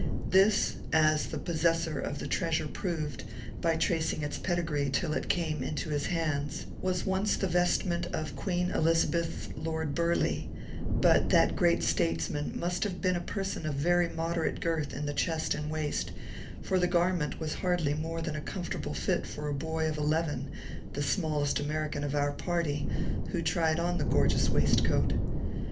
This (as the possessor of the treasure proved, by tracing its pedigree till it came into his hands) was once the vestment of Queen Elizabeth's Lord Burleigh; but that great statesman must have been a person of very moderate girth in the chest and waist; for the garment was hardly more than a comfortable fit for a boy of eleven, the smallest American of our party, who tried on the gorgeous waistcoat.